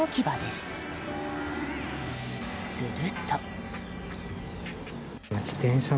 すると。